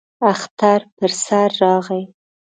اختر پر سر راغی.